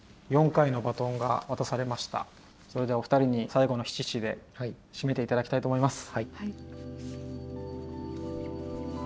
それではお二人に最後の七七で締めて頂きたいと思います。